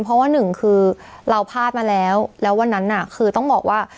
เพราะว่าหนึ่งคือเราพลาดมาแล้วแล้ววันนั้นน่ะคือต้องบอกว่า